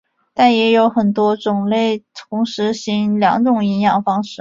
但也有很多种类同时行两种营养方式。